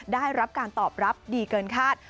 ได้รับการตอบรับดีเกินคาด